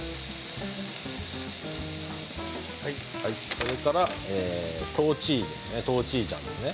それから、トーチですね。